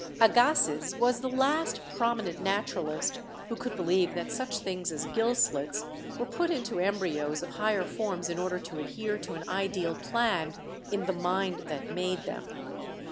Agassiz was the last prominent naturalist who could be lieve that such things as gill slits were put into embryos of higher forms in order to adhere to an ideal plan "in the mind that made them."